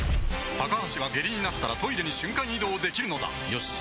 高橋は下痢になったらトイレに瞬間移動できるのだよし。